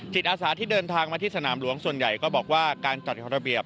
ศิษย์อาศาสถ์ที่เดินทางมาที่สนามระหว่างส่วนใหญ่ก็บอกว่าการจัดคอระเบียบ